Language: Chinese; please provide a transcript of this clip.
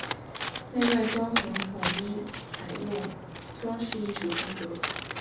内外装潢统一采用装饰艺术风格。